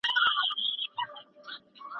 دې ته ونه کتل،